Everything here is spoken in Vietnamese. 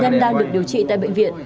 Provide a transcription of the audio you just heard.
nhân đang được điều trị tại bệnh viện